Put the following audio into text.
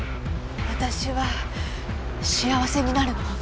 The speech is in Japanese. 私は幸せになるの。